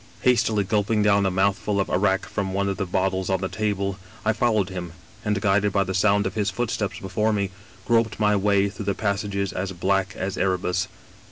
Hastily gulping down a mouthful of arrack from one of the bottles on the table, I followed him, and, guided by the sound of his footsteps before me, groped my way through passages as black as Erebus.